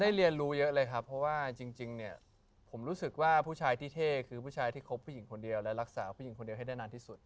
เรียนรู้เยอะเลยครับเพราะว่าจริงเนี่ยผมรู้สึกว่าผู้ชายที่เท่คือผู้ชายที่คบผู้หญิงคนเดียวและรักษาผู้หญิงคนเดียวให้ได้นานที่สุด